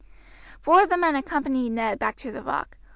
Four of the men accompanied Ned back to the rock.